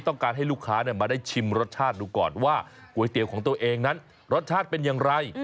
ต้องการให้ลูกค้ามาได้ชิมรสชาติดูก่อนว่าก๋วยเตี๋ยวของตัวเองนั้นรสชาติเป็นอย่างไร